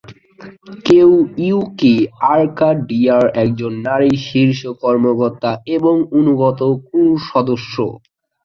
কেই ইউকি, আর্কাডিয়ার একজন নারী শীর্ষ কর্মকর্তা এবং অনুগত ক্রু সদস্য।